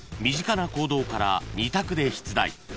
［身近な行動から２択で出題］